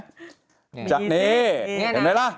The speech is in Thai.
นี่เห็นไหมล่ะ